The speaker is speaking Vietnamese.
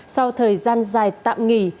sau thời gian dài tạm nghỉ